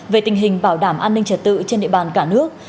về tình hình bảo đảm an ninh trật tự trên địa bàn cả nước